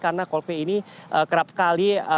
karena coldplay ini kerap sekali